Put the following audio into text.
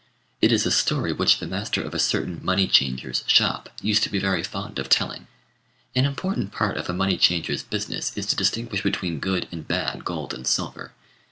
It is a story which the master of a certain money changer's shop used to be very fond of telling. An important part of a money changer's business is to distinguish between good and bad gold and silver.